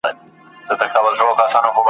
چي غویی له حیوانانو را ګوښه سو ,